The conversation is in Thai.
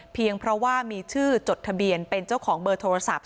เพราะว่ามีชื่อจดทะเบียนเป็นเจ้าของเบอร์โทรศัพท์